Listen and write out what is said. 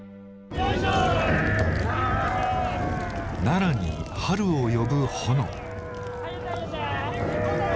奈良に春を呼ぶ炎。